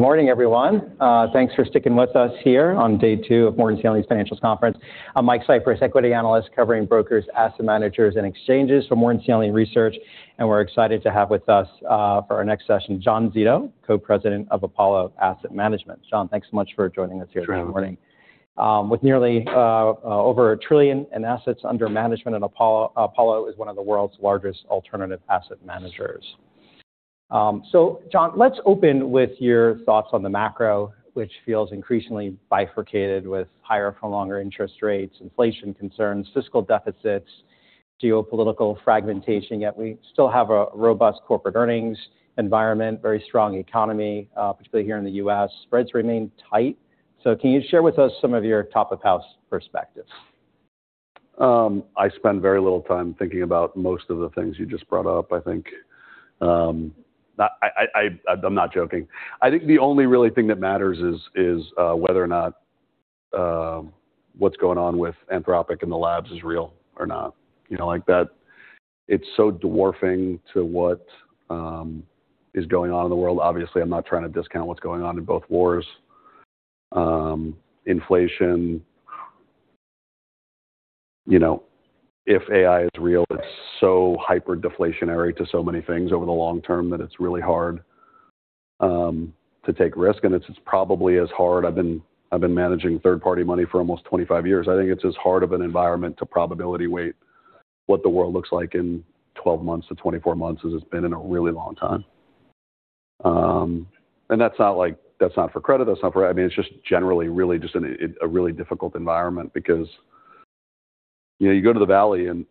Good morning, everyone. Thanks for sticking with us here on day two of Morgan Stanley's financials conference. I'm Mike Cyprys, Equity Analyst covering brokers, asset managers, and exchanges for Morgan Stanley Research. We're excited to have with us, for our next session, John Zito, Co-President of Apollo Asset Management. John, thanks so much for joining us here this morning. Sure. With nearly over $1 trillion in assets under management, Apollo is one of the world's largest alternative asset managers. John, let's open with your thoughts on the macro, which feels increasingly bifurcated with higher for longer interest rates, inflation concerns, fiscal deficits, geopolitical fragmentation. Yet we still have a robust corporate earnings environment, very strong economy, particularly here in the U.S. Spreads remain tight. Can you share with us some of your top-of-house perspectives? I spend very little time thinking about most of the things you just brought up. I'm not joking. I think the only really thing that matters is, whether or not what's going on with Anthropic in the labs is real or not. Like that, it's so dwarfing to what is going on in the world. Obviously, I'm not trying to discount what's going on in both wars. Inflation. If AI is real, it's so hyper deflationary to so many things over the long term that it's really hard to take risk. It's probably as hard, I've been managing third-party money for almost 25 years. I think it's as hard of an environment to probability weight what the world looks like in 12 months to 24 months as it's been in a really long time. That's not for credit. I mean, it's just generally just a really difficult environment because you go to the Valley and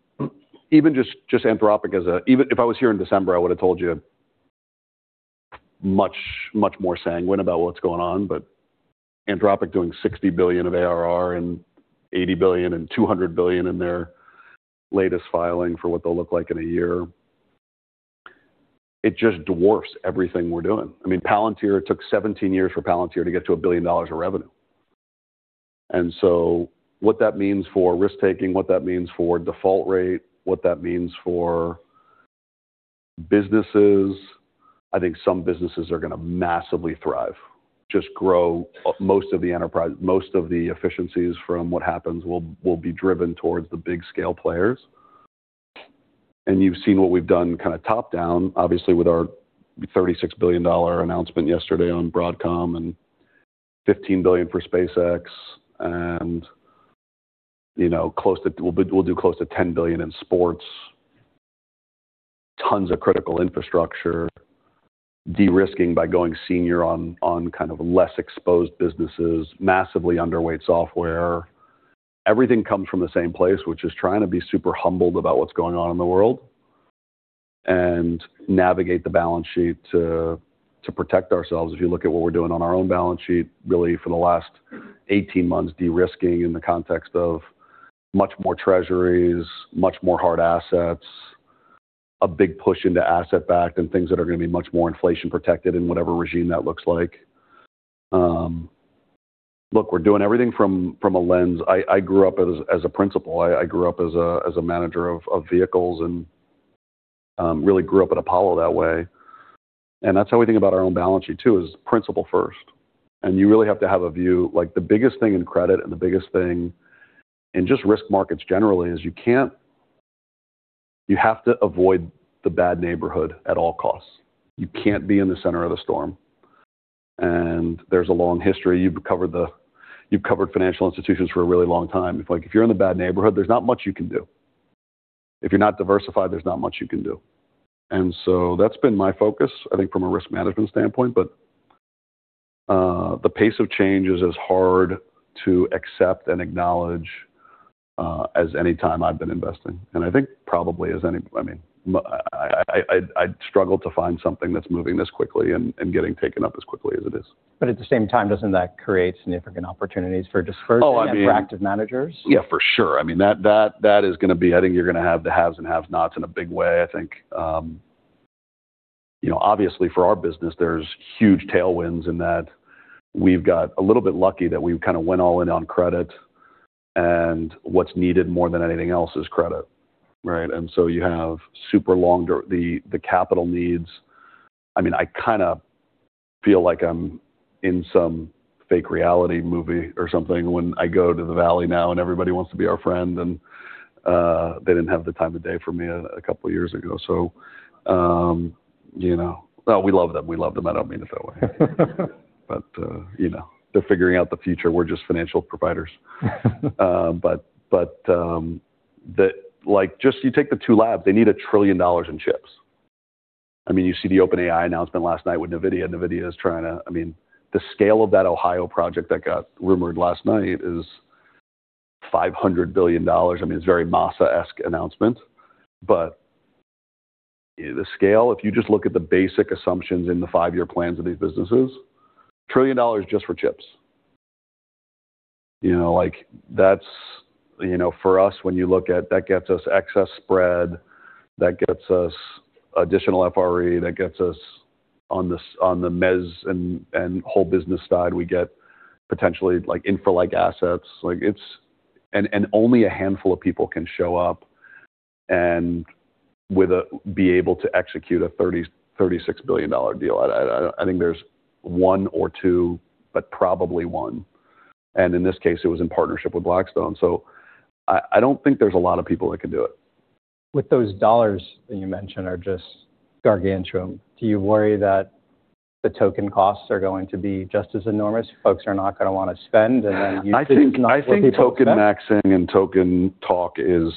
even just Anthropic. If I was here in December, I would've told you much more sanguine about what's going on, but Anthropic doing $60 billion of ARR and $80 billion and $200 billion in their latest filing for what they'll look like in a year. It just dwarfs everything we're doing. It took 17 years for Palantir to get to $1 billion of revenue. What that means for risk-taking, what that means for default rate, what that means for businesses, I think some businesses are going to massively thrive, just grow. Most of the efficiencies from what happens will be driven towards the big scale players. You've seen what we've done kind of top-down, obviously, with our $36 billion announcement yesterday on Broadcom and $15 billion for SpaceX and we'll do close to $10 billion in sports. Tons of critical infrastructure, de-risking by going senior on kind of less exposed businesses, massively underweight software. Everything comes from the same place, which is trying to be super humbled about what's going on in the world and navigate the balance sheet to protect ourselves. If you look at what we're doing on our own balance sheet, really for the last 18 months, de-risking in the context of much more treasuries, much more hard assets, a big push into asset-backed and things that are going to be much more inflation protected in whatever regime that looks like. Look, we're doing everything from a lens. I grew up as a principal, I grew up as a manager of vehicles and really grew up at Apollo that way. That's how we think about our own balance sheet, too, is principle first. You really have to have a view. Like the biggest thing in credit and the biggest thing in just risk markets generally is you have to avoid the bad neighborhood at all costs. You can't be in the center of the storm. There's a long history. You've covered financial institutions for a really long time. If you're in the bad neighborhood, there's not much you can do. If you're not diversified, there's not much you can do. That's been my focus, I think, from a risk management standpoint. The pace of change is as hard to accept and acknowledge as any time I've been investing. I think probably I struggle to find something that's moving this quickly and getting taken up as quickly as it is. At the same time, doesn't that create significant opportunities for dispersion for active managers? Yeah, for sure. I think you're going to have the haves and have-nots in a big way. Obviously for our business, there's huge tailwinds in that we've got a little bit lucky that we kind of went all in on credit and what's needed more than anything else is credit, right? You have super long the capital needs. I kind of feel like I'm in some fake reality movie or something when I go to the Valley now and everybody wants to be our friend. They didn't have the time of day for me a couple of years ago. We love them. I don't mean it that way. They're figuring out the future. We're just financial providers. Just you take the two labs, they need $1 trillion in chips. You see the OpenAI announcement last night with NVIDIA. The scale of that Ohio project that got rumored last night is $500 billion. I mean, it's very Masa-esque announcement, the scale, if you just look at the basic assumptions in the five-year plans of these businesses, $1 trillion just for chips. For us, when you look at it, that gets us excess spread, that gets us additional FRE, that gets us on the mezz and whole business side. We get potentially infra-like assets. Only a handful of people can show up and be able to execute a $36 billion deal? I think there's one or two, but probably one. In this case, it was in partnership with Blackstone. I don't think there's a lot of people that can do it. With those dollars that you mentioned are just gargantuan, do you worry that the token costs are going to be just as enormous? Folks are not going to want to people spend. I think in token maxing and token talk is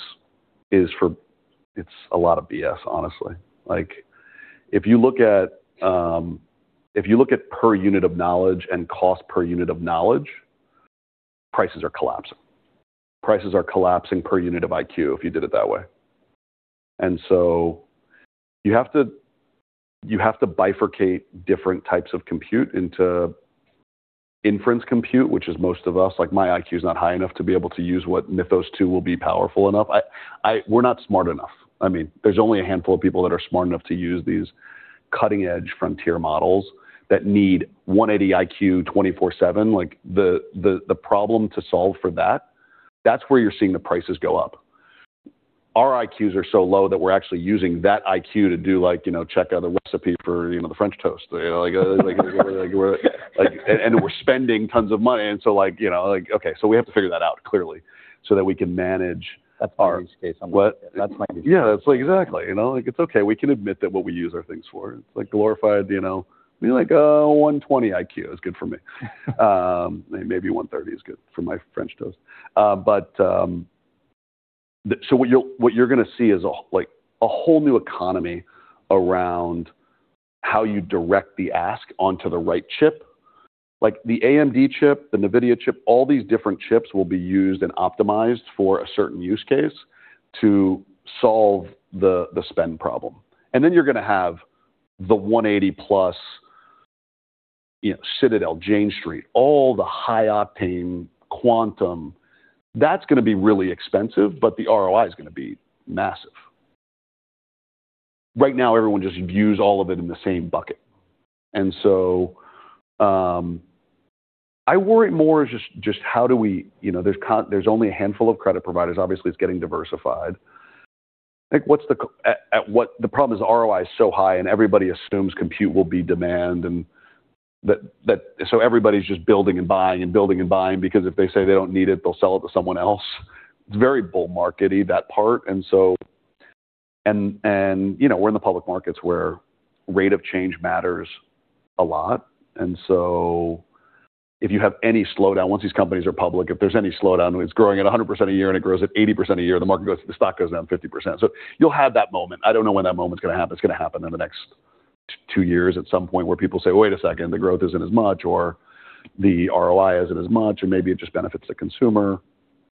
a lot of BS, honestly. If you look at per unit of knowledge and cost per unit of knowledge, prices are collapsing. Prices are collapsing per unit of IQ if you did it that way. You have to bifurcate different types of compute into inference compute, which is most of us. My IQ is not high enough to be able to use what Mythos two will be powerful enough. We're not smart enough. There's only a handful of people that are smart enough to use these cutting-edge frontier models that need 180 IQ 24/7. The problem to solve for that's where you're seeing the prices go up. Our IQs are so low that we're actually using that IQ to do like check out a recipe for the French toast. We're spending tons of money. We have to figure that out clearly so that we can manage. That's the use case I'm looking at. That's my use case. Yeah. Exactly. It's okay. We can admit that what we use our things for. It's like glorified 120 IQ is good for me. Maybe 130 IQ is good for my French toast. What you're going to see is a whole new economy around how you direct the ask onto the right chip. The AMD chip, the NVIDIA chip, all these different chips will be used and optimized for a certain use case to solve the spend problem. Then you're going to have the 180+ Citadel, Jane Street, all the high-octane quantum. That's going to be really expensive, but the ROI is going to be massive. Right now, everyone just views all of it in the same bucket. I worry more just there's only a handful of credit providers. Obviously, it's getting diversified. The problem is ROI is so high and everybody assumes compute will be demand, everybody's just building and buying and building and buying because if they say they don't need it, they'll sell it to someone else. It's very bull marketing, that part. We're in the public markets where rate of change matters a lot. If you have any slowdown, once these companies are public, if there's any slowdown, it's growing at 100% a year and it grows at 80% a year, the stock goes down 50%. You'll have that moment. I don't know when that moment's going to happen. It's going to happen in the next two years at some point where people say, "Wait a second, the growth isn't as much," or the ROI isn't as much, or maybe it just benefits the consumer.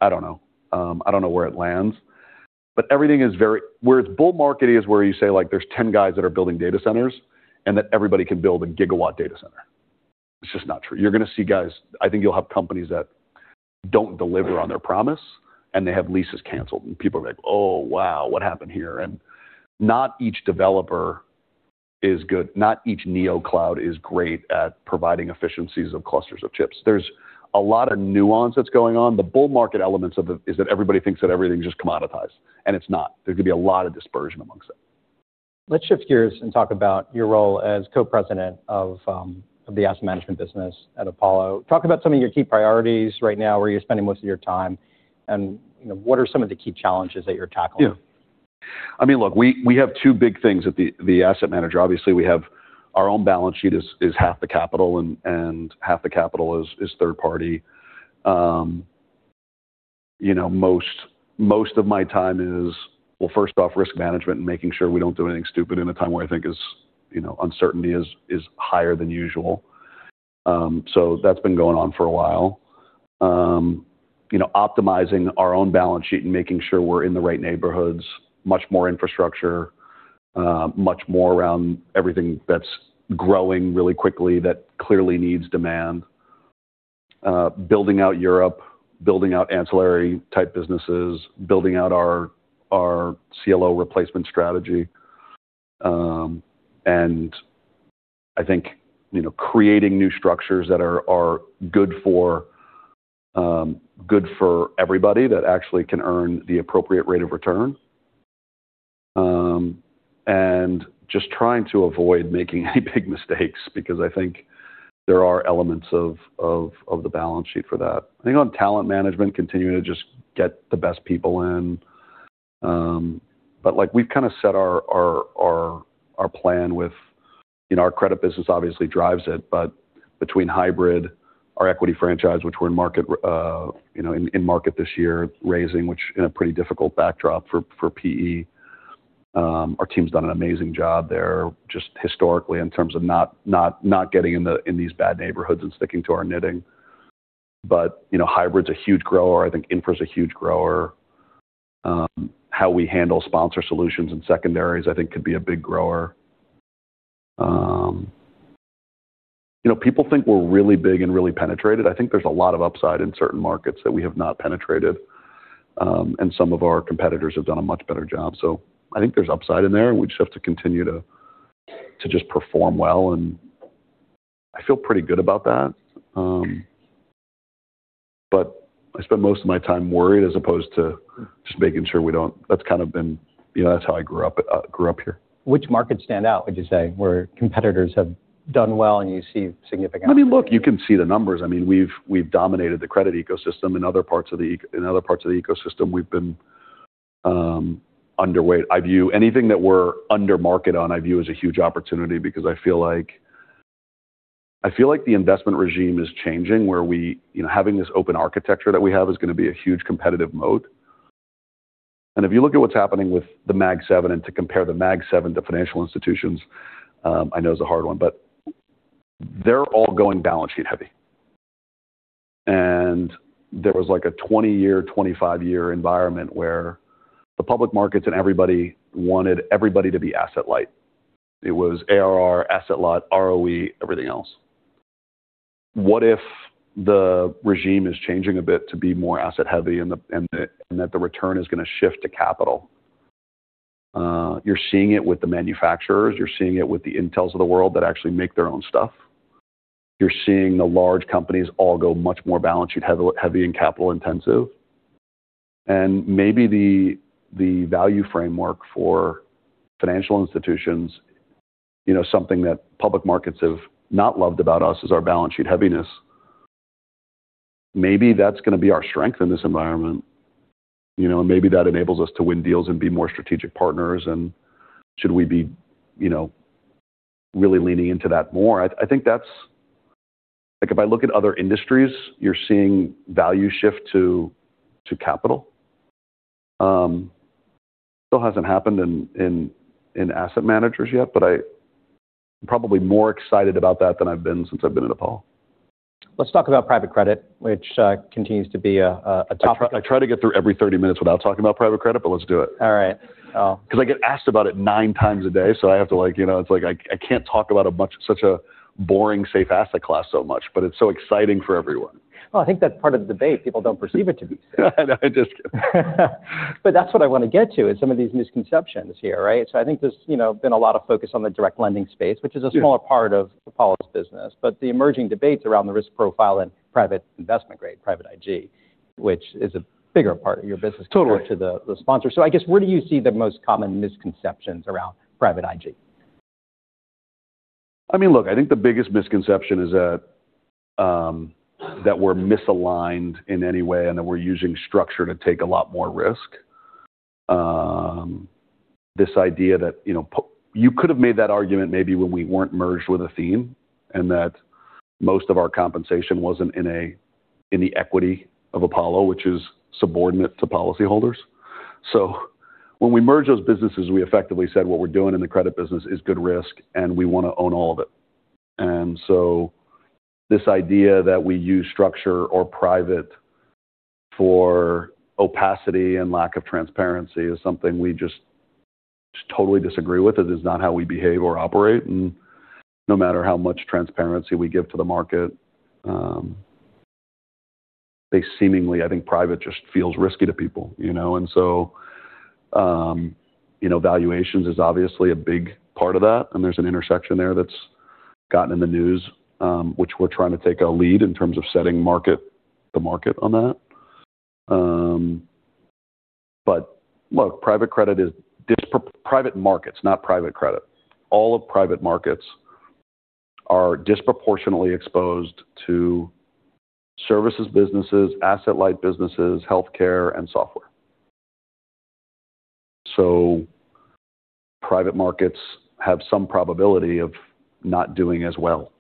I don't know. I don't know where it lands. Where it's bull market is where you say there's 10 guys that are building data centers, and that everybody can build a gigawatt data center. It's just not true. You're going to see guys, I think you'll have companies that don't deliver on their promise, and they have leases canceled, and people are like, "Oh, wow, what happened here?" Not each developer is good. Not each neocloud is great at providing efficiencies of clusters of chips. There's a lot of nuance that's going on. The bull market elements of it is that everybody thinks that everything's just commoditized, and it's not. There could be a lot of dispersion amongst them. Let's shift gears and talk about your role as Co-President of the asset management business at Apollo. Talk about some of your key priorities right now, where you're spending most of your time, and what are some of the key challenges that you're tackling? Yeah. Look, we have two big things at the asset manager. Obviously, we have our own balance sheet is half the capital, and half the capital is third party. Most of my time is, well, first off, risk management and making sure we don't do anything stupid in a time where I think uncertainty is higher than usual. That's been going on for a while. Optimizing our own balance sheet and making sure we're in the right neighborhoods, much more infrastructure, much more around everything that's growing really quickly that clearly needs demand. Building out Europe, building out ancillary-type businesses, building out our CLO replacement strategy. I think creating new structures that are good for everybody that actually can earn the appropriate rate of return. Just trying to avoid making any big mistakes because I think there are elements of the balance sheet for that. I think on talent management, continuing to just get the best people in. We've set our plan with our credit business obviously drives it, but between hybrid, our equity franchise, which we're in market this year, raising, which in a pretty difficult backdrop for PE. Our team's done an amazing job there just historically in terms of not getting in these bad neighborhoods and sticking to our knitting. Hybrid's a huge grower. I think infra's a huge grower. How we handle sponsor solutions and secondaries, I think could be a big grower. People think we're really big and really penetrated. I think there's a lot of upside in certain markets that we have not penetrated. Some of our competitors have done a much better job. I think there's upside in there, and we just have to continue to just perform well, and I feel pretty good about that. I spend most of my time worried as opposed to just making sure we don't That's how I grew up here. Which markets stand out, would you say, where competitors have done well and you see significant opportunity? You can see the numbers. We've dominated the credit ecosystem. In other parts of the ecosystem, we've been underweight. Anything that we're under market on, I view as a huge opportunity because I feel like the investment regime is changing, where having this open architecture that we have is going to be a huge competitive moat. If you look at what's happening with the Mag 7, and to compare the Mag 7 to financial institutions, I know is a hard one, but they're all going balance sheet heavy. There was like a 20-year, 25-year environment where the public markets and everybody wanted everybody to be asset light. It was ARR, asset light, ROE, everything else. What if the regime is changing a bit to be more asset heavy and that the return is going to shift to capital? You're seeing it with the manufacturers. You're seeing it with the Intels of the world that actually make their own stuff. You're seeing the large companies all go much more balance sheet heavy and capital intensive. Maybe the value framework for financial institutions, something that public markets have not loved about us, is our balance sheet heaviness. Maybe that's going to be our strength in this environment, and maybe that enables us to win deals and be more strategic partners, and should we be really leaning into that more? If I look at other industries, you're seeing value shift to capital. Still hasn't happened in asset managers yet, but I'm probably more excited about that than I've been since I've been at Apollo. Let's talk about private credit, which continues to be a topic. I try to get through every 30 minutes without talking about private credit, but let's do it. All right. I get asked about it nine times a day, so I have to like, it's like I can't talk about such a boring, safe asset class so much, but it's so exciting for everyone. I think that's part of the debate. People don't perceive it to be safe. Just kidding. That's what I want to get to is some of these misconceptions here, right? I think there's been a lot of focus on the direct lending space which is a smaller part of Apollo's business. The emerging debates around the risk profile and private investment grade, private IG, which is a bigger part of your business compared to the sponsor. I guess, where do you see the most common misconceptions around private IG? Look, I think the biggest misconception is that we're misaligned in any way and that we're using structure to take a lot more risk. This idea that, you could've made that argument maybe when we weren't merged with Athene and that most of our compensation wasn't in the equity of Apollo, which is subordinate to policyholders. When we merged those businesses, we effectively said what we're doing in the credit business is good risk and we want to own all of it. This idea that we use structure or private for opacity and lack of transparency is something we just totally disagree with. It is not how we behave or operate. No matter how much transparency we give to the market, they seemingly, I think private just feels risky to people. Valuations is obviously a big part of that, and there's an intersection there that's gotten in the news, which we're trying to take a lead in terms of setting the market on that. Look, private credit is private markets, not private credit. All of private markets are disproportionately exposed to services businesses, asset-light businesses, healthcare, and software. Private markets have some probability of not doing as well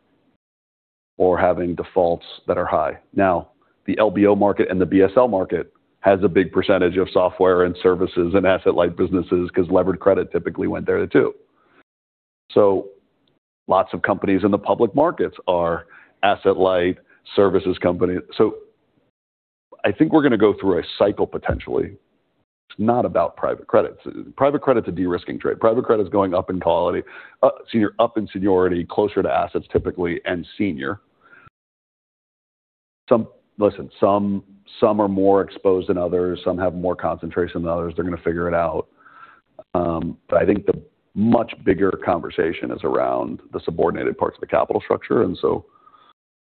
or having defaults that are high. Now, the LBO market and the BSL market has a big percentage of software and services and asset-light businesses because levered credit typically went there too. Lots of companies in the public markets are asset-light services companies. I think we're going to go through a cycle potentially. It's not about private credit. Private credit's a de-risking trade. Private credit's going up in quality, up in seniority, closer to assets typically, and senior. Listen, some are more exposed than others. Some have more concentration than others. They're going to figure it out. I think the much bigger conversation is around the subordinated parts of the capital structure,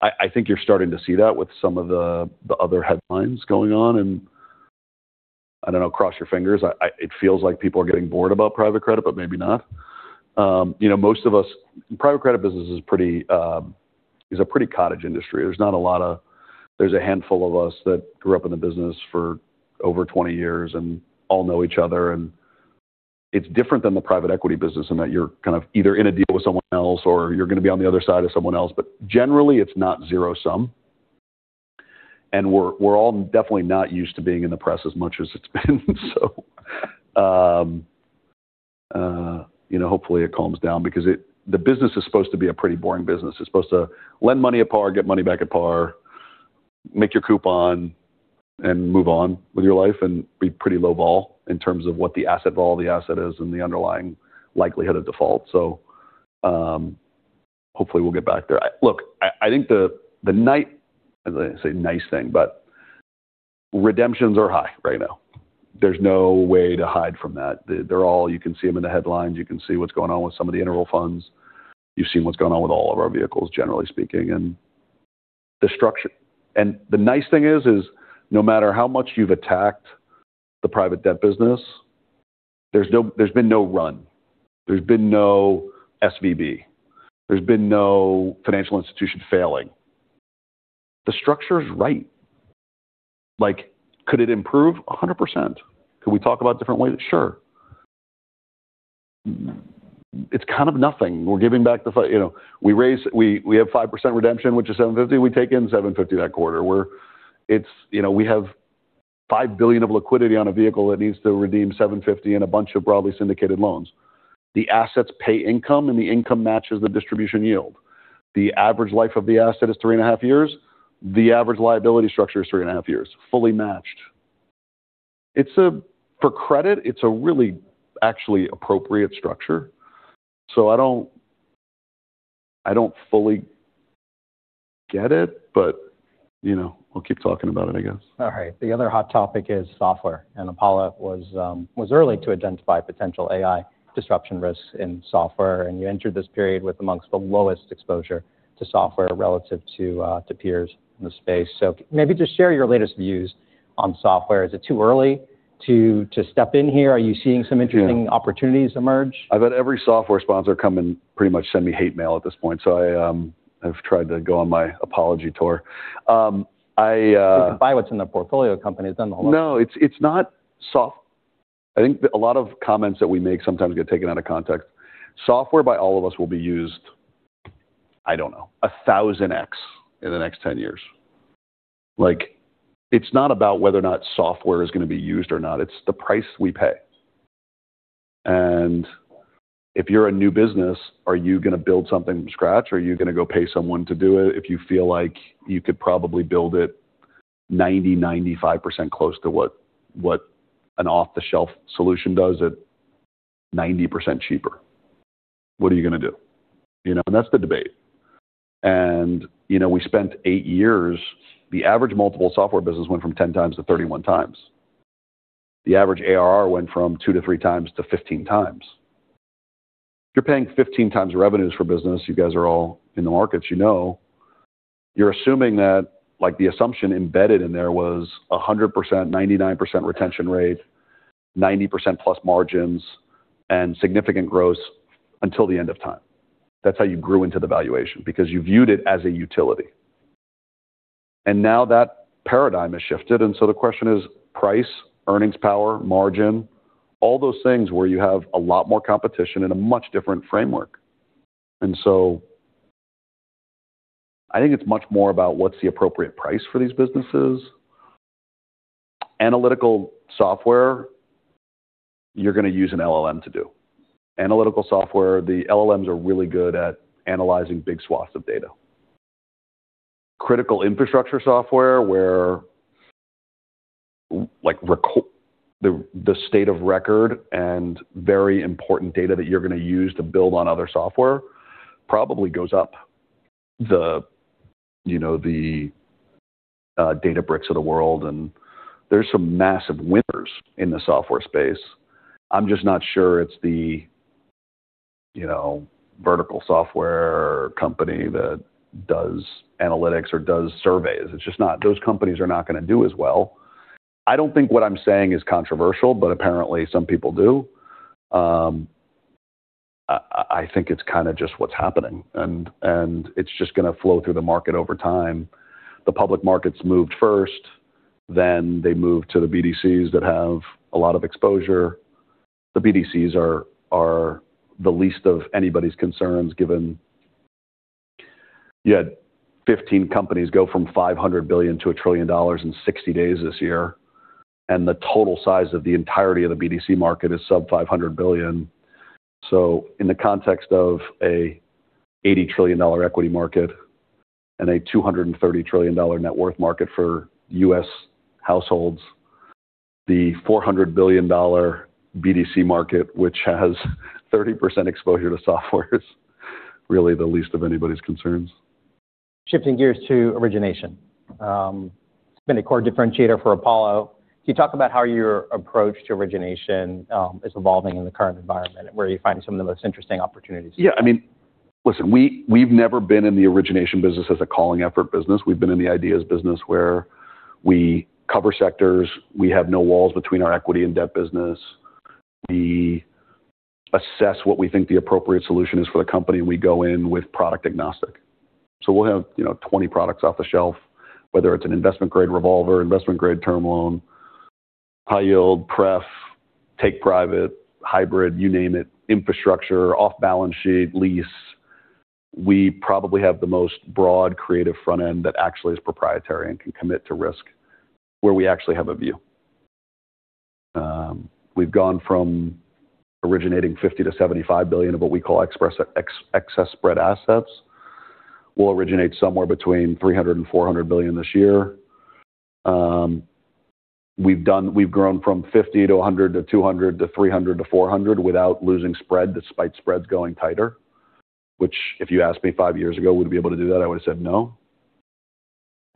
I think you're starting to see that with some of the other headlines going on, I don't know, cross your fingers. It feels like people are getting bored about private credit, but maybe not. Private credit business is a pretty cottage industry. There's a handful of us that grew up in the business for over 20 years and all know each other, and it's different than the private equity business in that you're either in a deal with someone else or you're going to be on the other side of someone else. Generally, it's not zero-sum. We're all definitely not used to being in the press as much as it's been so hopefully it calms down because the business is supposed to be a pretty boring business. It's supposed to lend money at par, get money back at par, make your coupon, and move on with your life and be pretty low vol in terms of what the asset vol of the asset is and the underlying likelihood of default. Hopefully we'll get back there. Look, I think I say nice thing, but redemptions are high right now. There's no way to hide from that. You can see them in the headlines. You can see what's going on with some of the interval funds. You've seen what's going on with all of our vehicles, generally speaking. The nice thing is no matter how much you've attacked the private debt business, there's been no run. There's been no SVB. There's been no financial institution failing. The structure is right. Could it improve? 100%. Could we talk about different ways? Sure. It's kind of nothing. We have 5% redemption, which is $750. We take in $750 that quarter. We have $5 billion of liquidity on a vehicle that needs to redeem $750 in a bunch of broadly syndicated loans. The assets pay income, and the income matches the distribution yield. The average life of the asset is three and a half years. The average liability structure is three and a half years, fully matched. For credit, it's a really actually appropriate structure. I don't fully get it, but we'll keep talking about it, I guess. All right. The other hot topic is software, Apollo was early to identify potential AI disruption risks in software. You entered this period with amongst the lowest exposure to software relative to peers in the space. Maybe just share your latest views on software. Is it too early to step in here? Are you seeing some interesting opportunities emerge? I've had every software sponsor come and pretty much send me hate mail at this point. I've tried to go on my apology tour. You can buy what's in the portfolio companies. No. I think a lot of comments that we make sometimes get taken out of context. Software by all of us will be used, I don't know, 1,000x in the next 10 years. It's not about whether or not software is going to be used or not. It's the price we pay. If you're a new business, are you going to build something from scratch, or are you going to go pay someone to do it if you feel like you could probably build it 90%, 95% close to what an off-the-shelf solution does at 90% cheaper? What are you going to do? That's the debate. We spent eight years. The average multiple software business went from 10x to 31x. The average ARR went from 2x-3x to 15x. If you're paying 15x revenues for business, you guys are all in the markets, you know, you're assuming that the assumption embedded in there was 100%, 99% retention rate, 90%+ margins, and significant growth until the end of time. That's how you grew into the valuation because you viewed it as a utility. Now that paradigm has shifted, the question is price, earnings power, margin, all those things where you have a lot more competition and a much different framework. I think it's much more about what's the appropriate price for these businesses. Analytical software, you're going to use an LLM to do. Analytical software, the LLMs are really good at analyzing big swaths of data. Critical infrastructure software where the state of record and very important data that you're going to use to build on other software probably goes up. The Databricks of the world, there's some massive winners in the software space. I'm just not sure it's the vertical software company that does analytics or does surveys. Those companies are not going to do as well. I don't think what I'm saying is controversial, apparently some people do. I think it's just what's happening. It's just going to flow through the market over time. The public markets moved first, then they moved to the BDCs that have a lot of exposure. The BDCs are the least of anybody's concerns given you had 15 companies go from $500 billion to $1 trillion in 60 days this year, and the total size of the entirety of the BDC market is sub-$500 billion. In the context of an $80 trillion equity market and a $230 trillion net worth market for U.S. households, the $400 billion BDC market, which has 30% exposure to software, is really the least of anybody's concerns. Shifting gears to origination. It's been a core differentiator for Apollo. Can you talk about how your approach to origination is evolving in the current environment and where you find some of the most interesting opportunities? Yeah. Listen, we've never been in the origination business as a calling effort business. We've been in the ideas business where we cover sectors. We have no walls between our equity and debt business. We assess what we think the appropriate solution is for the company, and we go in with product agnostic. We'll have 20 products off the shelf, whether it's an investment-grade revolver, investment-grade term loan, high yield, pref, take private, hybrid, you name it, infrastructure, off-balance sheet, lease. We probably have the most broad creative front end that actually is proprietary and can commit to risk where we actually have a view. We've gone from originating $50 billion-$75 billion of what we call excess spread assets, will originate somewhere between $300 billion and $400 billion this year. We've grown from $50 billion to $100 billion to $200 billion to $300 billion to $400 billion without losing spread, despite spreads going tighter. If you asked me five years ago, would we be able to do that? I would've said no.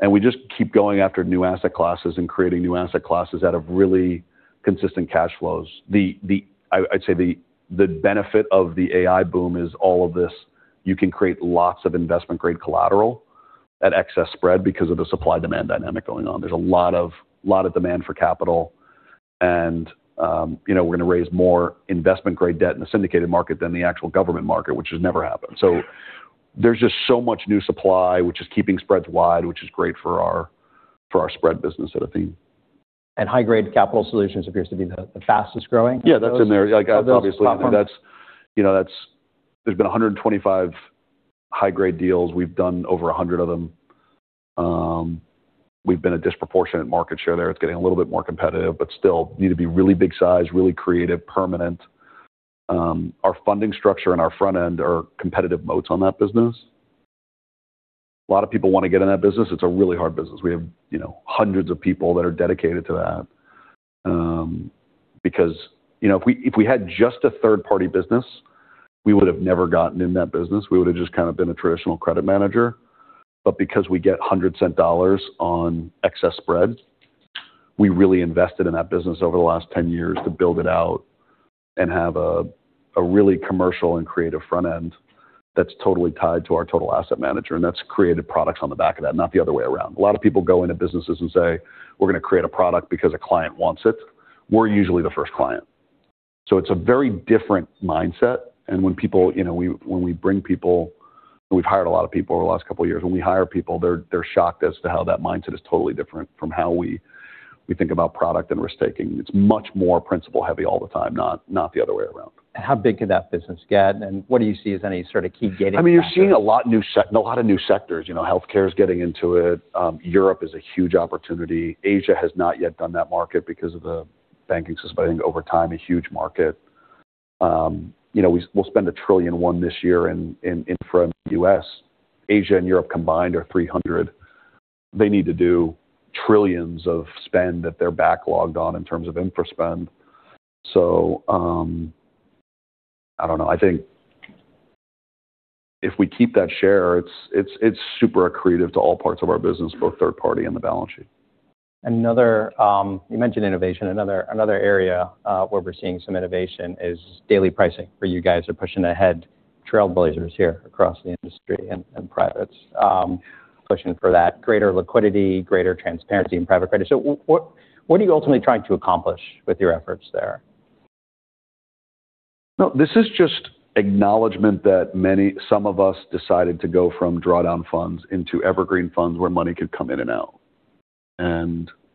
We just keep going after new asset classes and creating new asset classes out of really consistent cash flows. I'd say the benefit of the AI boom is all of this. You can create lots of investment-grade collateral at excess spread because of the supply-demand dynamic going on. There's a lot of demand for capital. We're going to raise more investment-grade debt in the syndicated market than the actual government market, which has never happened. There's just so much new supply, which is keeping spreads wide, which is great for our spread business at Athene. High-Grade Capital Solutions appears to be the fastest growing? Yeah, that's in there. Of those platforms? Obviously. There's been 125 high-grade deals. We've done over 100 of them. We've been a disproportionate market share there. It's getting a little bit more competitive, but still need to be really big size, really creative, permanent. Our funding structure and our front end are competitive moats on that business. A lot of people want to get in that business. It's a really hard business. We have hundreds of people that are dedicated to that. Because if we had just a third-party business, we would've never gotten in that business. We would've just been a traditional credit manager. Because we get $1.00 on Excess Spread, we really invested in that business over the last 10 years to build it out and have a really commercial and creative front end that's totally tied to our total asset manager. That's created products on the back of that, not the other way around. A lot of people go into businesses and say, "We're going to create a product because a client wants it." We're usually the first client. It's a very different mindset. When we bring people, and we've hired a lot of people over the last couple of years, when we hire people, they're shocked as to how that mindset is totally different from how we think about product and risk-taking. It's much more principle-heavy all the time, not the other way around. How big could that business get, and what do you see as any sort of key gating factors? You're seeing a lot of new sectors. Healthcare is getting into it. Europe is a huge opportunity. Asia has not yet done that market because of the banking system, but I think over time, a huge market. We'll spend $1.1 trillion this year in infra in the U.S. Asia and Europe combined are $300 billion. They need to do trillions of spend that they're backlogged on in terms of infra spend. I don't know. I think if we keep that share, it's super accretive to all parts of our business, both third party and the balance sheet. You mentioned innovation. Another area where we're seeing some innovation is daily pricing, where you guys are pushing ahead, trailblazers here across the industry and privates, pushing for that greater liquidity, greater transparency in private credit. What are you ultimately trying to accomplish with your efforts there? No, this is just acknowledgment that some of us decided to go from drawdown funds into evergreen funds where money could come in and out.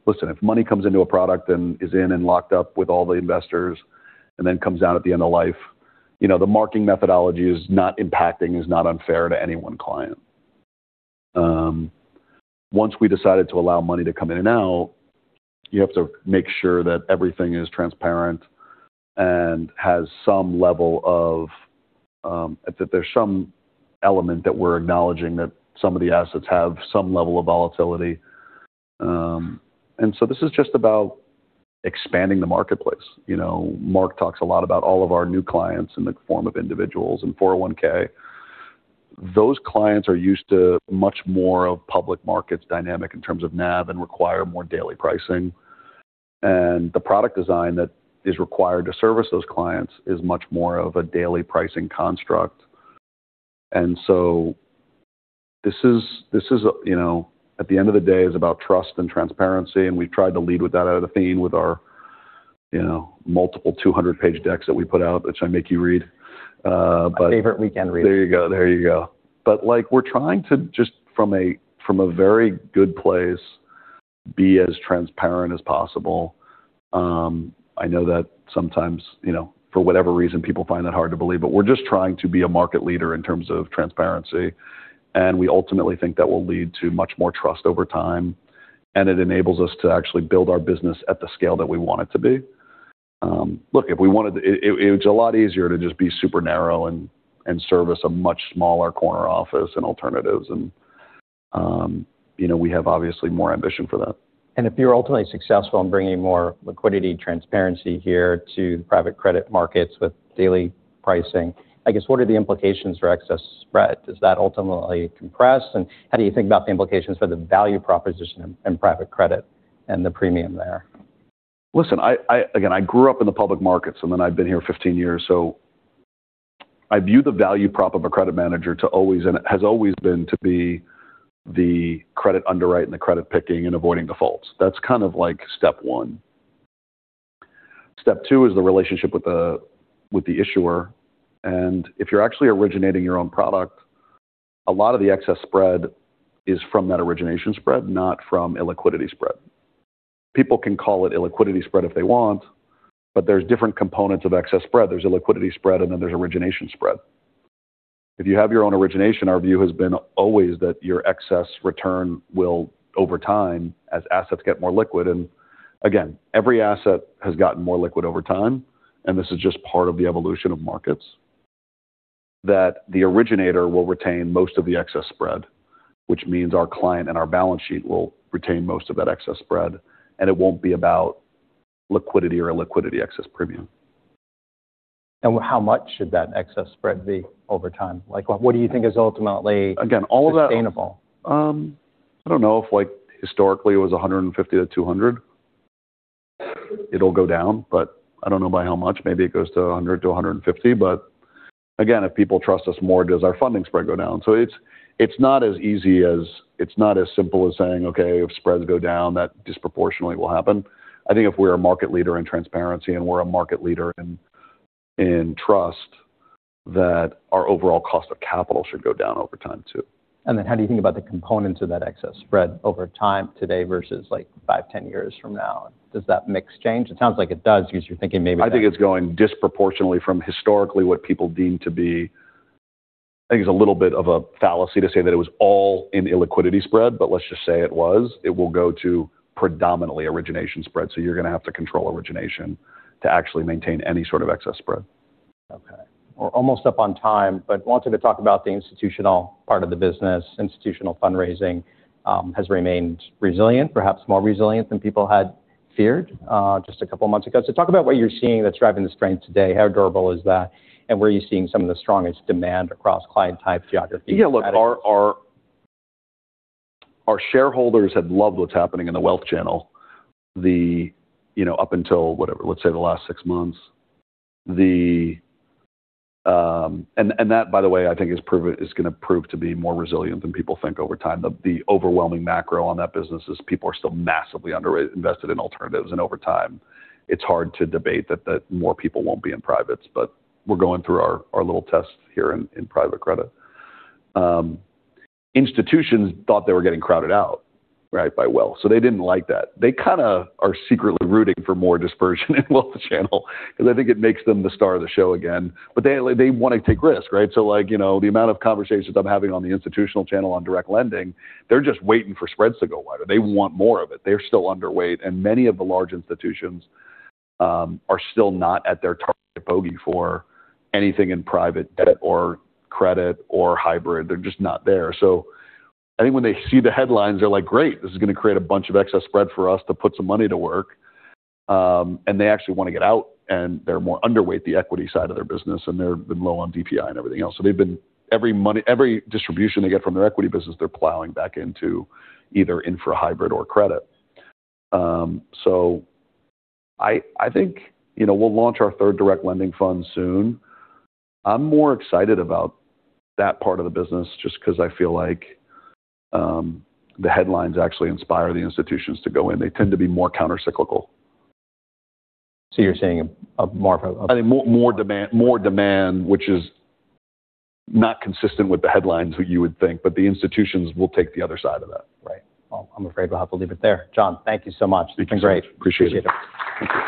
Listen, if money comes into a product and is in and locked up with all the investors and then comes out at the end of life, the marking methodology is not impacting, is not unfair to any one client. Once we decided to allow money to come in and out, you have to make sure that everything is transparent and that there's some element that we're acknowledging that some of the assets have some level of volatility. This is just about expanding the marketplace. Marc talks a lot about all of our new clients in the form of individuals in 401(k). Those clients are used to much more of public markets dynamic in terms of NAV and require more daily pricing. The product design that is required to service those clients is much more of a daily pricing construct. At the end of the day, it's about trust and transparency, and we've tried to lead with that out of Athene with our multiple 200-page decks that we put out, which I make you read. My favorite weekend read. There you go. We're trying to just from a very good place, be as transparent as possible. I know that sometimes, for whatever reason, people find that hard to believe. We're just trying to be a market leader in terms of transparency, and we ultimately think that will lead to much more trust over time, and it enables us to actually build our business at the scale that we want it to be. Look, it's a lot easier to just be super narrow and service a much smaller corner office and alternatives. We have obviously more ambition for that. If you're ultimately successful in bringing more liquidity transparency here to the private credit markets with daily pricing, I guess what are the implications for excess spread? Does that ultimately compress? How do you think about the implications for the value proposition in private credit and the premium there? Listen, again, I grew up in the public markets, and then I've been here 15 years, so I view the value prop of a credit manager to always, and it has always been to be the credit underwriting, the credit picking, and avoiding defaults. That's step one. Step two is the relationship with the issuer. If you're actually originating your own product, a lot of the excess spread is from that origination spread, not from illiquidity spread. People can call it illiquidity spread if they want, but there's different components of excess spread. There's illiquidity spread, and then there's origination spread. If you have your own origination, our view has been always that your excess return will over time as assets get more liquid. Again, every asset has gotten more liquid over time, and this is just part of the evolution of markets. That the originator will retain most of the excess spread, which means our client and our balance sheet will retain most of that excess spread, and it won't be about liquidity or illiquidity excess premium. How much should that excess spread be over time? What do you think is ultimately sustainable? All of that, I don't know if historically it was 150 to 200. It'll go down, but I don't know by how much. Maybe it goes to 100 to 150. Again, if people trust us more, does our funding spread go down? It's not as simple as saying, okay, if spreads go down, that disproportionately will happen. I think if we're a market leader in transparency, and we're a market leader in trust, that our overall cost of capital should go down over time, too. How do you think about the components of that excess spread over time today versus five, 10 years from now? Does that mix change? It sounds like it does because you're thinking maybe. I think it's going disproportionately from historically what people deem to be, I think it's a little bit of a fallacy to say that it was all in illiquidity spread, but let's just say it was. It will go to predominantly origination spread, you're going to have to control origination to actually maintain any sort of excess spread. Okay. We're almost up on time, wanted to talk about the institutional part of the business. Institutional fundraising has remained resilient, perhaps more resilient than people had feared just a couple of months ago. Talk about what you're seeing that's driving the strength today. How durable is that, and where are you seeing some of the strongest demand across client type geographies? Look, our shareholders have loved what's happening in the wealth channel, up until, whatever, let's say the last six months. That, by the way, I think is going to prove to be more resilient than people think over time. The overwhelming macro on that business is people are still massively underinvested in alternatives. Over time, it's hard to debate that more people won't be in privates, but we're going through our little tests here in private credit. Institutions thought they were getting crowded out by wealth, so they didn't like that. They are secretly rooting for more dispersion in wealth channel because I think it makes them the star of the show again. They want to take risks, right? The amount of conversations I'm having on the institutional channel on direct lending, they're just waiting for spreads to go wider. They want more of it. They're still underweight and many of the large institutions are still not at their target bogey for anything in private debt or credit or hybrid. They're just not there. I think when they see the headlines, they're like, "Great, this is going to create a bunch of excess spread for us to put some money to work." They actually want to get out and they're more underweight the equity side of their business, and they've been low on DPI and everything else. Every distribution they get from their equity business, they're plowing back into either infra-hybrid or credit. I think we'll launch our third direct lending fund soon. I'm more excited about that part of the business just because I feel like the headlines actually inspire the institutions to go in. They tend to be more countercyclical. You're seeing more of a? I think more demand which is not consistent with the headlines what you would think, the institutions will take the other side of that. Right. Well, I'm afraid we'll have to leave it there. John, thank you so much. It's been great. Thank you.